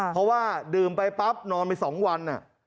เพราะว่าดื่มไปปั๊บนอนไป๒วัน